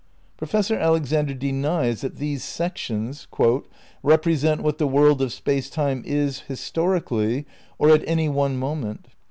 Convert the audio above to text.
Professor Alexander denies that these sections "represent what the world of Space Time is historically or at any one moment.